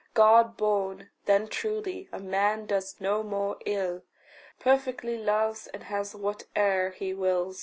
God born then truly, a man does no more ill, Perfectly loves, and has whate'er he will.